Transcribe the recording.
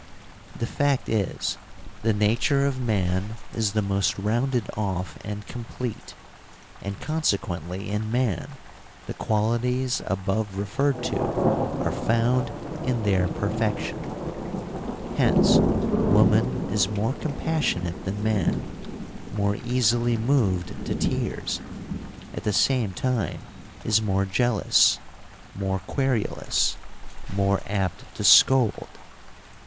The fact is, the nature of man is the most rounded off and complete, and consequently in man the qualities above referred to are found in * De Generatione, 787, a. 218 FEMINISM IN GREEK LITERATURE their perfection. Hence woman is more compassionate than man, more easily moved to tears, at the same time is more jealous, more querulous, more apt to scold.